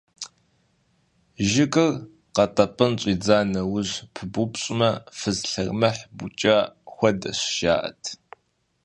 Жыгыр къэтӀэпӀын щӀидза нэужь пыбупщӀмэ, фыз лъэрымыхь быукӀа хуэдэщ, жаӀэт.